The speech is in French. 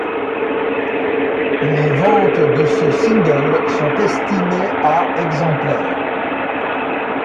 Les ventes de ce single sont estimées à exemplaires.